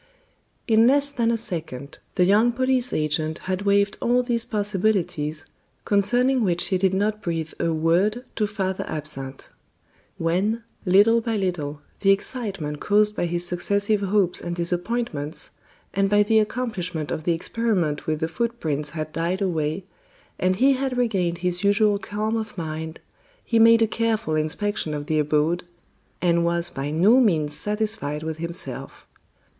In less than a second the young police agent had weighed all these possibilities, concerning which he did not breathe a word to Father Absinthe. When, little by little, the excitement caused by his successive hopes and disappointments, and by the accomplishment of the experiment with the footprints had died away, and he had regained his usual calm of mind, he made a careful inspection of the abode, and was by no means satisfied with himself.